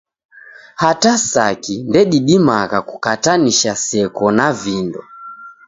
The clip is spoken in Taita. Hata saki ndedimagha kukatanisha seko na vindo.